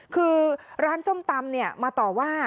คือร้านส้มตำมาต่อว่า